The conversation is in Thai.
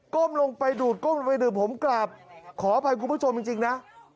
ก้มลงไปดูดก้มลงไปดูดผมกราบขออภัยครูพ่อชมจริงจริงนะ